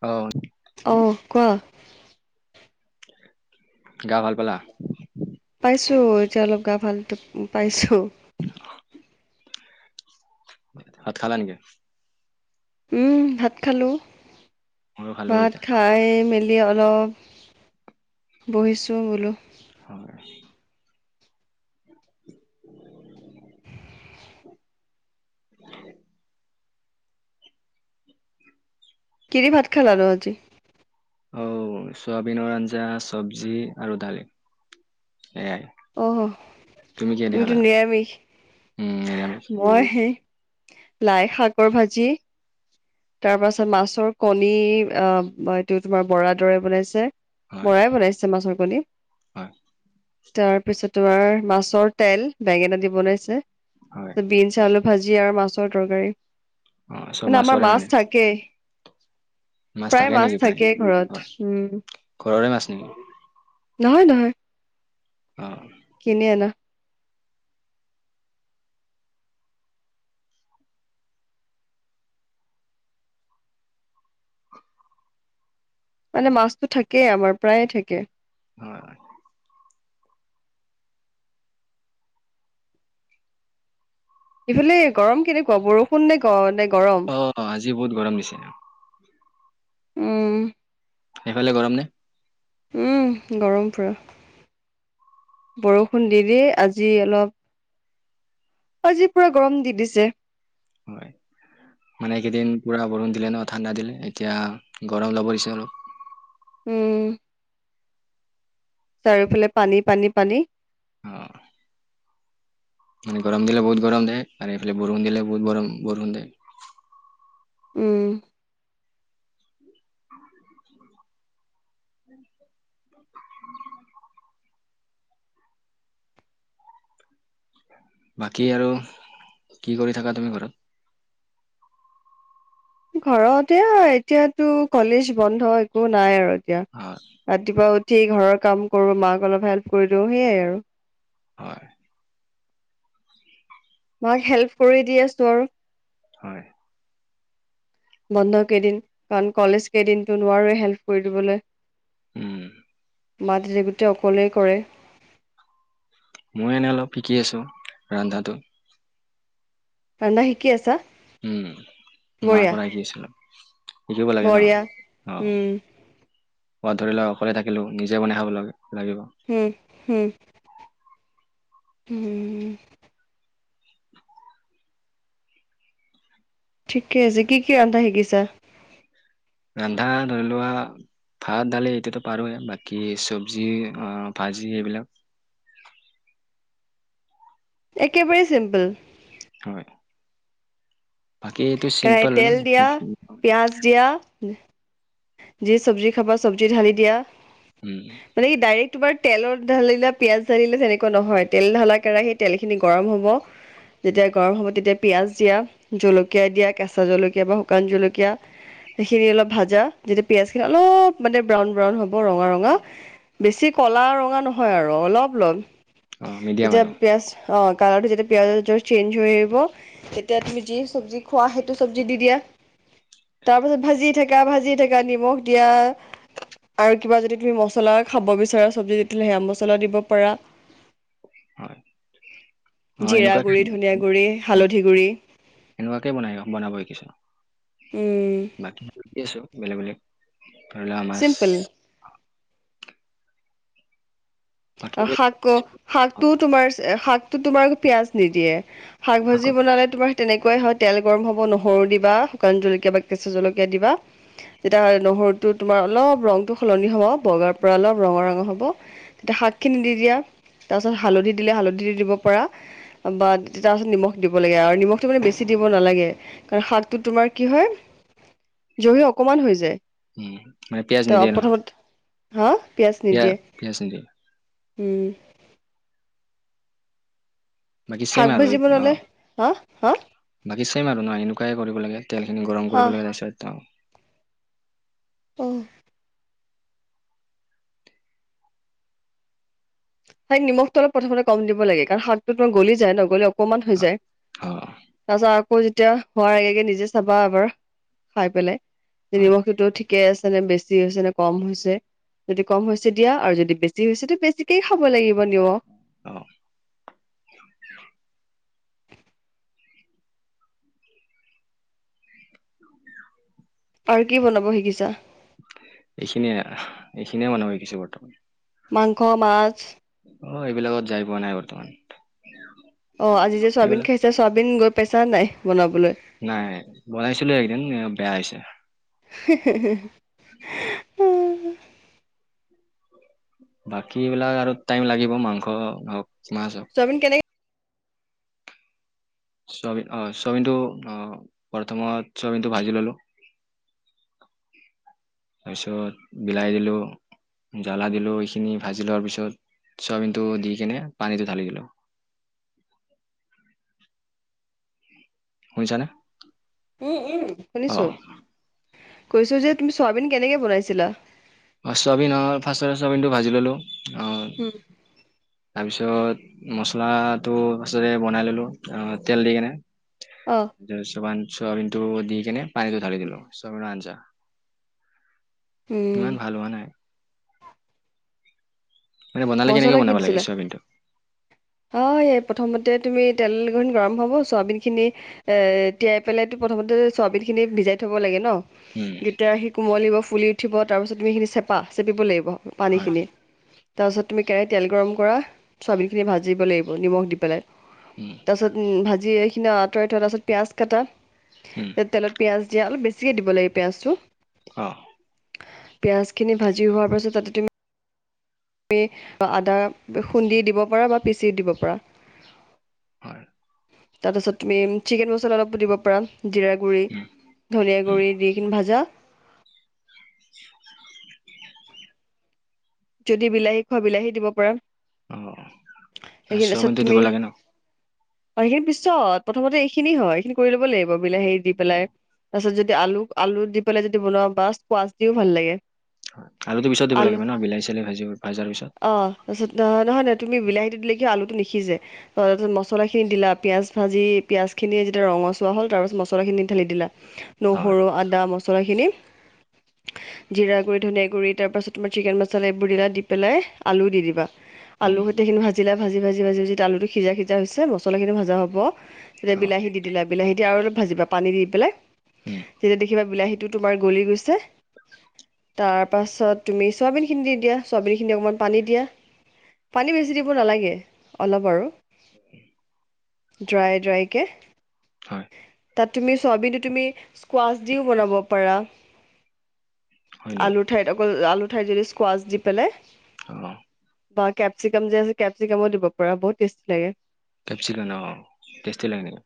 অ অ কোৱা গা ভাল পালা পাইছোঁ এতিয়া অলপ গা ভাল টো পাইছোঁ ভাত খালা নেকি? উম ভাত খালো ময়ো খালো ভাত এতিয়া খাই মেলি অলপ বহিছোঁ বোলো হয় [unintelligible] [unintelligible] কি দি ভাত খালানো আজি অও চয়াবিনৰ আঞ্জা চব্জি আৰু দালি অ', এয়াই তুমি কি হে দি তুমিতো খালা নিৰামিষ। উম নিৰামিষ মই সেই লাই শাকৰ ভাজি তাৰ পাছত মাছৰ কণী আহ এইটো তোমাৰ বৰা দৰে বনাইছে হয় বৰাই বনাইছে মাছৰ কণি ৰ হয় তাৰপিছত তোমাৰ মাছৰ তেল বেঙেনা দি বনাইছে হয় বিনছ আলু ভাজি আৰু মাছৰ তৰকাৰী অ চব মানে আমাৰ মাছৰে মাছ থাকেই প্ৰায় মাছ থাকেই হয় ঘৰত উম ঘৰৰে মাছ নেকি নহয় নহয় অ কিনি অনা মানে মাছতো থাকেই আমাৰ প্ৰায়ে থাকে হয় সেইফালে গৰম কেনেকুৱা বৰষুণ নে গ নে গৰম অ আজি বহুত গৰম দিছে উম সেইফালে গৰম নে উম গৰম পুৰা বৰষুণ ডেইলী, আজি অলপ', আজি পুৰা গৰম দি দিছে', হয়, মানে এইকেইদিন পুৰা বৰষুণ দিলে ন ঠাণ্ডা দিলে, এতিয়া, গৰম ল'ব দিছে অলপ', উম', চাৰিওফালে পানী - পানী - পানী', অহ', মানে গৰম দিলে বহত গৰম দে, আৰু এইফালে বৰষুণ দিলে বহুত বৰষ - বৰষুণ দে', উম', [unintelligible] বাকী আৰু, কি কৰি থাকা তুমি ঘৰত? ঘৰতে এই - এতিয়াতো কলেজ বন্ধ, একো নাই আৰু এতিয়া', হয়', ৰাতিপুৱা উঠি ঘৰৰ কাম কৰোঁ, মাক অলপ হেল্প কৰি দিওঁ, সেইয়াই আৰু', হয়', মাক হেল্প কৰি দি আছোঁ আৰু', হয়', বন্ধ কেইদিন, কাৰণ কলেজ কেইদিনটো নোৱাৰোৱেই হেল্প কৰি দিবলৈ', উম, মা দেৱীটো অকলেই কৰে', মই এনে অলপ শিকি আছোঁ ৰান্ধাটো', ৰান্ধা শিকি আছা? উম', মাৰ বঢ়িয়া পৰাই শিকি আছিলোঁ', শিকিব লাগে ন, বঢ়িয়া অ', উম ক'ৰবাত ধৰি লোৱা অকলে থাকিলোঁ, নিজে বনাই খাব লাগ', - লাগিব', হোম', -হোম', উমমম', [unintelligible] ঠিকে আছে, কি - কি ৰান্ধা শিকিছা? ৰান্ধা, ধৰি লোৱা', ভাত, দালি এইটোতো পাৰোৱেই, বাকী চব্জি অ', ভাজি এইবিলাক', একেবাৰে চিম্পল', হয়', বাকী এইটো', কেৰাহীত চিম্পল তেল দিয়া, পিঁয়াজ দিয়া, উম', যি চব্জি খাবা, চব্জি ঢালি দিয়া', উম', মানে কি ডাইৰেক্ট তোমাৰ তেলত ঢালিলা, পিঁয়াজ ঢালিলে তেনেকুৱা নহয়, তেল ধালা কেৰাহী, তেলখিনি ঘঁহি', গৰম হ'ব', যেতিয়া গৰম হ'ব তেতিয়া পিঁয়াজ দিয়া, জলকীয়া দিয়া, কেঁচা জলকীয়া বা শুকান জলকীয়া', সেইখিনি অলপ ভাজা, যেতিয়া পিঁয়াজ খিনি অলপ মানে ব্ৰাউন - ব্ৰাউন হ'ব, ৰঙা - ৰঙা', বেছি ক'লা - ৰঙা নহয় আৰু অলপ - অলপ অ', মিডিয়াম যেতিয়া আৰু পিঁয়াজ', অ', কালাৰটো যেতিয়া পিঁয়াজৰ চেঞ্জ হৈ আহিব', তেতিয়া তুমি যি চব্জি খোৱা, সেইটো চব্জি দি দিয়া, তাৰপাছত ভাজি থাকা - ভাজি থাকা', এতিয়া নিমখ দিয়া, আৰু কিবা যদি তুমি মছলা খাব বিচাৰা চব্জি দি দিলে সেয়া মছলা', মছলা দিব পাৰা', হয়। অ', জিৰা এনেকুৱাকে গুৰি, ধনিয়া গুৰি, হালধি গুৰি', এনেকুৱাকৈ বনায় বনাব শিকিছোঁ। উম। বাকী শিকি আছোঁ বেলেগ বেলেগ ধৰি লোৱা মাছ। চিম্পল বাকী আৰু এইবিলাক শাক শাকটোও তোমাৰ শাকটো তোমাৰ পিয়ঁয়াজ নিদিয়ে। শাক ভাজি শাকত বনালে তোমাৰ তেনেকুৱাই হয় তেল গৰম হ'ব নহৰু দিবা শুকান জলকীয়া বা কেঁচা জলকীয়া দিবা যেতিয়া নহৰুটো তোমাৰ অলপ ৰংটো সলনি হব বগাৰ পৰা অলপ ৰঙা ৰঙৰ হ'ব তেতিয়া শাকখিনি দি দিয়া তাৰপাছত হালধি দিলে হালধি দি দিব পৰা বা তাৰপাছত নিমখ দিব লাগে আৰু নিমখটো মানে বেছি দিব নালাগে কাৰণ শাকটোত তোমাৰ কি হয় জহি অকমান হৈ যায়। উ মানে পিয়াজ ত নদিয়ে ন। প্ৰথমত হা পিয়ঁয়াজ পিয়াজ নিদিয়ে। পিয়াজ নিদিয়ে। উম। বাকি চেম শাক আৰু ভাজি বনালে হা হা অ। বাকী ছেম আৰু ন এনেকুৱাই কৰিব লাগে তেলখিনি গৰম হা কৰিব লাগে তাৰপিছত অ। সেই নিমখটো অলপ প্ৰথমতে কম দিব লাগে কাৰণ শাকতোটো গলি যায় নহলে অকমান হৈ অ যায়। অ তাৰপিছত আকৌ যেতিয়া হোৱাৰ আগে আগে নিজে চাবা এবাৰ খাই পেলাই যে হয় নিমখটো ঠি কে আছে নে বেছি হৈছে নে কম হৈছে যদি কম হৈছে দিয়া আৰু যদি বেছি হৈছেতো বেছিকে খাব লাগিব নিমখ। অহ। আৰু কি বনাব শিকিছা? এইখিনিয়ে এইখিনিয়ে বনাব শিকিছোঁ বৰ্তমান। মাংস, মাছ অ এইবিলাকত যাই পোৱা নাই বৰ্তমান। অ আজি যে চোৱাবিন এইবিলাক খাইছে চোৱাবিন গৈ পাইচা নে নাই বনাবলৈ? নাই বনাইছিলো একদিন বেয়া হৈছে। হিঃ হিঃ হিঃ। [unintelligible] বাকীবিলাক আৰু টাইম লাগিব মাংস হওক মাছ হওক। চোৱাবিন কেনেকে চোৱাবিন অ চোৱাবিন টো অ প্ৰথমতে চোৱাবিন টো ভাজি ললো, তাৰপিছত বিলাহী দিলোঁ, জ্বালা দিলোঁ এইখিনি ভাজি লোৱাৰ পিছত চাওমিনটো দি কেনে পানীটো ঢালি দিলোঁ। শুনিছা নে? উম উম শুনিছো কৈছো যে তুমি চোৱাবিন কেনেকে বনাইছিলা? অ ছয়াবিন ফাৰ্ষ্টত চয়াবিনটো ভাজি ল'লোঁ অ, উম। [unintelligible] তাৰপিছত মচলাটো তাতে বনাই ললো আহ তেল দি কেনে, অ চয়াবিনটো দি কেনে পানীটো ঢালি দিলো চয়াবিনৰ আঞ্জা। উম ইমান ভাল হোৱা নাই। মানে বনালে কেনেকে মচলা কি বনাব লাগে দিছিলে? চয়াবিনটো হয় এই প্ৰথমতে তুমি তেল খিনি গৰম হ'ব চোৱাবিন খিনি এ তিয়াই পেলাই তো প্ৰথমতে চোৱাবিন খিনি ভিজাই থব লাগে ন উম তেতিয়া সি কোমলিব ফুলি উঠিব তাৰপিছত তুমি সেইখিনি চেপা চেপিব লাগিব হয় পানীখিনি তাৰপাছত তুমি কেৰাহী তেল গৰম কৰা চোৱাবিনখিনি ভাজিব লাগিব নিমখ দি পেলাই উম তাৰপিছত ভাজি এইখিনি আঁতৰাই থোৱা তাৰপিছত পিঁয়াজ উম কাটা তেলত পিয়াজ দিয়া অলপ বেছিকে দিব লাগিব পিয়াজটো অ পিঁয়াজখিনি ভাজি হোৱাৰ পাছত তাতে তুমি তুমি আদা খুন্দি দিব পাৰা বা পিচি দিব পাৰা হয় তাৰপাছত তুমি চিকেন মছলা অলপো দিব পাৰা জিৰা গুৰি উম ধনিয়াৰ গুড়ি দি কিনে ভাজা যদি বিলাহী খোৱা বিলাহী দিব পাৰা অ সেইখিনি তাৰ পাছত চয়াবিনটো তুমি দিব লাগে ন অ সেইখিনি পিছত প্ৰথমতে এইখিনি হয় এইখিনি কৰি ল'ব লাগিব বিলাহী দি অ পেলাই তাৰ পিছত যদি আলু আলু দি পেলাই যদি বনাৱ পাৰা সোৱাচ দিও ভাল লাগে আলুটো পিছত দিব লাগিব ন বিলাহ চিলাহি ভাজি ভজাৰ পিছত তাৰ পাছত নহয় নহয় তুমি বিলাহীটো দিলে কি হয় আলুটো নিসিজে তাৰপিছত মছলাখিনি দিলা পিয়াজ ভাজি পিয়াজ খিনি যেতিয়া ৰঙচুৱা হল তাৰ পিছত মছলা খিনি ঢালি দিলা হয় নহৰু আদা মছলাখিনি জিৰা গুৰি ধনীয়া গুৰী তাৰ পাছত তোমাৰ চিকেন মচলা মচলা এইবোৰ দিলা দি পেলাই আলু দি দিবা আলু উম সৈতে এইখিনি ভাজ জিলা ভাজি ভাজি ভাজি ভাজি আলুটো সিজা সিজা হৈছে মছলাখিনি ভাজা হব তেতিয়া অ বিলাহী দি দিলা বিলাহী দি আৰু অলপ ভাজিবা পানী দি পেলাই উম তেতিয়া দেখিবা বিলাহীটো তোমাৰ গলি গৈছে তাৰ পাছত তুমি চুৱাবিন খিনি দি দিয়া চোৱাবিন খিনি অকণমান পানী দিয়া পানী বেছি দিব নালাগে অলপ আৰু ড্ৰাই ড্ৰাই কে হয় তাত তুমি চয়াবিনটো তুমি স্কোৱাচ দিও বনাব পাৰা হয় নেকি আলু ঠাইত অকল আলু ঠাইত যদি স্কোৱাছ দি পেলাই অঁ বগা কেপচিকাম যে আছে কেপচিকামো দিব পৰা বহুত টেষ্টি লাগে কেপচিকান অঁ টেষ্টি লাগে ন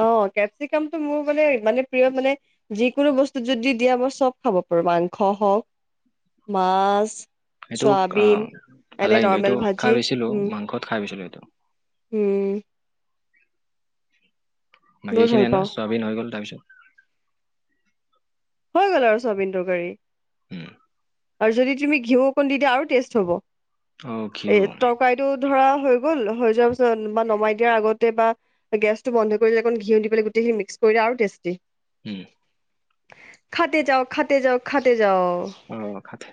অ কেপচিকামটো মোৰ মানে ইমানে প্ৰিয় মানে যিকোনো বস্তু যদি দিয়া মই চব খাব পাৰো মাংস হওক মাছ সেইটো চয়াবিন ভাল এনে লাগিল সেইটো নৰ্মেল খাই ভাজি পাইছিলোঁ উম, মাংসত খাই পাইছিলোঁ সেইটো উম বহুত ভাল বাকীখিনি পাওঁ ছয়াবিন হৈ গ'ল তাৰপিছত হৈ গ'ল আৰু ছয়াবিন তৰকাৰী উম আৰু যদি তুমি ঘিউ অকণ দি দিয়া আৰু টেষ্ট হ'ব অ ঘিউ এ তৰকাৰী ধৰা হৈ গ'ল হৈ যোৱাৰ পিছত বা নমাই দিয়াৰ আগতে বা গেছটো বন্ধ কৰিলে অকণ ঘিউ দি পাই গোটেইখিনি মিক্স কৰিলে আৰু টেষ্টি উম খাতে যাও খাতে যাও খাতে যাও অ খাতে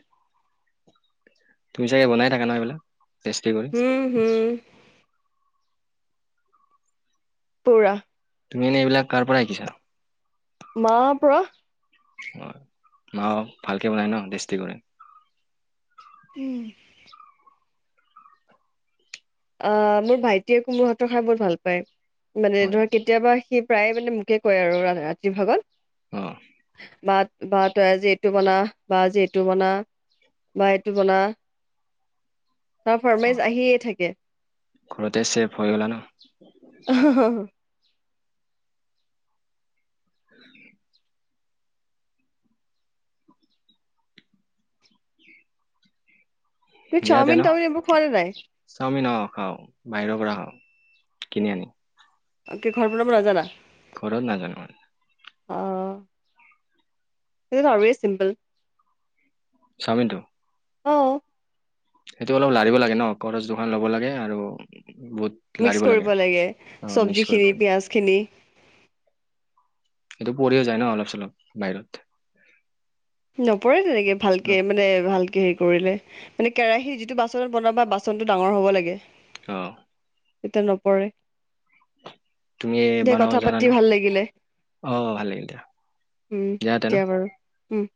তুমি চাগে বনাইথাকা নহয় এইবিলাক? টেষ্টটিউবত ওঁ--হোঁ। পুৰা। তুমিনো এইবিলাক কাৰ পৰা শিকিছা? মাৰ পৰা। অ, মাও, ভালকে বনাই ন? টেষ্টি কৰে? উম। অঁ, মোৰ ভাইটিয়ে মোৰ হাতৰ খাই বহুত ভাল পায়। মানে হয় ধৰা তিল কেতিয়াবা, সি প্ৰায়ে মানে মোকে কয় আৰু ৰাতিৰ ভাগত। অঁ--হ। বা, বা তই আজি এইটো বনা। বা, আজি এইটো বনা বা, এইটো বনা। তাৰ অ ফৰ্মাইছ আহিয়েই থাকে। ঘৰতে চেফ্‌ হৈ গলা ন'? অঁহ হঁ হঁ হয়ে কি দিয়া তে চাওমিন ন -তাওমিন এইবোৰ খুৱা নাযায়। চাওমিন অঁ, খাওঁ। বাহিৰৰ পৰা কিনি আনি। অঁ, কি ঘৰ বনাব নাজানা? ঘৰত নাজানোঁ মানে। অঁ সেইটোতো আৰুৱে চিম্পল। চাওমিনটো? অঁ। সেইটো অলপ লাৰিব লাগে ন'? খৰজ দোকান ল'ব লাগে আৰু বহুত মিক্স কৰিব লাগে চব্জিখিনি, লাগে পিঁয়াজখিনি এইটো পৰিও যায় ন'? অলপ চলপ বাহিৰত। নপৰে তেনেকে ভালকে মানে, ভালকে হেৰি কৰিলে। মানে কেৰাহীৰ যিটো বাচনত বনাবা বাচনটো ডাঙৰ হ'ব লাগে। অঁ তেতিয়া নপৰে। তুমি দিয়া বনাব কথা জানা পাতি ন'? ভাল লাগিলে। অঁ ভাল লাগিল দিয়া। উম, তে ন দিয়া বাৰু উম।